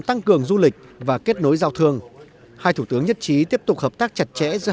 tăng cường du lịch và kết nối giao thương hai thủ tướng nhất trí tiếp tục hợp tác chặt chẽ giữa